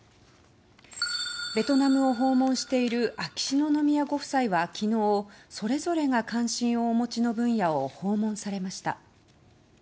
ベトナムを訪問している秋篠宮ご夫妻は、昨日それぞれが関心をお持ちの分野を訪問されました。